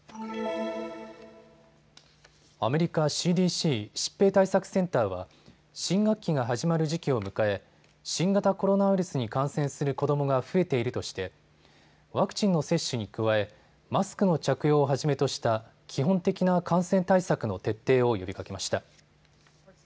アメリカＣＤＣ・疾病対策センターは新学期が始まる時期を迎え新型コロナウイルスに感染する子どもが増えているとしてワクチンの接種に加えマスクの着用をはじめとした基本的な感染対策の徹底を呼びかけました。